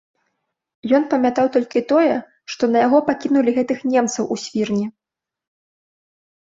Ён памятаў толькі тое, што на яго пакінулі гэтых немцаў у свірне.